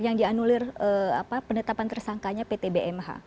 yang dianulir penetapan tersangkanya pt bmh